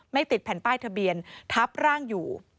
ติดแผ่นป้ายทะเบียนทับร่างอยู่